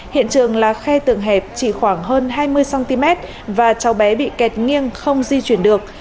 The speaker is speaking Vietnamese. hiện trường là khe tường hẹp chỉ khoảng hơn hai mươi cm và cháu bé bị kẹt nghiêng không di chuyển được